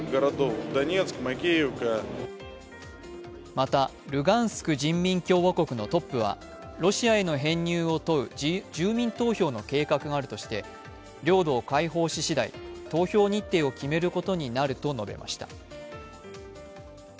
また、ルガンスク人民共和国のトップはロシアへの編入を問う住民投票の計画があるとして領土を解放し次第投票日程を決めることになると述べました。